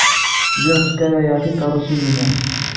Lliɣ ssekrayeɣ takeṛṛust-inu.